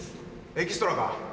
エキストラか？